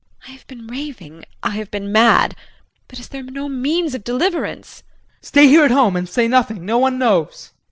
JULIE. I have been raving, I have been mad, but is there no means of deliverance? JEAN. Stay here at home and say nothing. No one knows.